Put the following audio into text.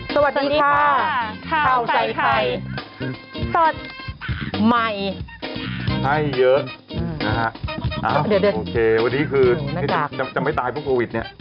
สวัสดีค่ะข้าวใส่ไข่สดใหม่ให้เยอะนะฮะโอเควันนี้คือจะไม่ตายเพราะโควิดเนี่ย